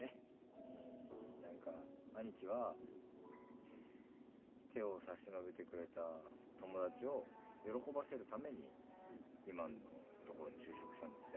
うん何か兄貴は手を差し伸べてくれた友達を喜ばせるために今の所に就職したんだって。